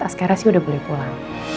askerasi udah boleh pulang